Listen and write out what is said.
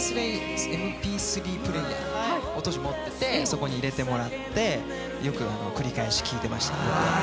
ＭＰ３プレーヤー、当時持っていてそこに入れてもらって、よく繰り返し聴いてました。